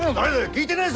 聞いてねえぞ！